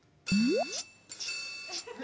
チッチッチッ。